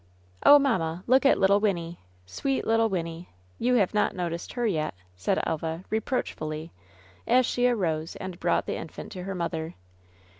"Oh, mamma, look at little Wynnie! sweet, little Wynnie! You have not noticed her yet!" said Elva, reproachfully, as she arose, and brought the infant to her mother.